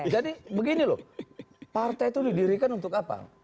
jadi begini loh partai itu didirikan untuk apa